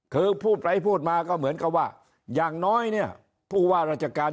คือพูดไปพูดมาก็เหมือนกับว่าอย่างน้อยเนี่ยผู้ว่าราชการ